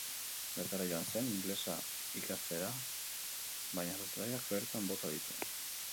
Bertara joan zen, inglesa ikastera, baina sustraiak bertan bota ditu.